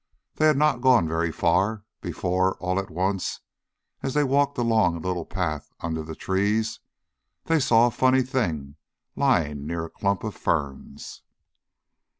They had not gone very far before, all at once, as they walked along a little path under the trees they saw a funny thing lying near a clump of ferns.